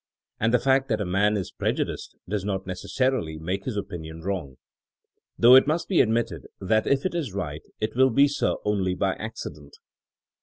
And the fact that a man is prejudiced does not necessarily make his opin ion wrong; though it must be admitted that if it is right it will be so only by accident.